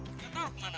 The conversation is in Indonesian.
kakak tau kemana